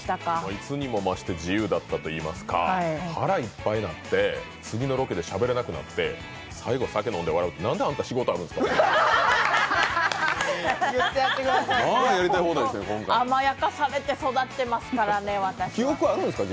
いつにも増して自由だったといいますか、腹いっぱいになって、次のロケでしゃべれなくなって最後、酒飲んで笑うって、なんであなた仕事やってるんですか。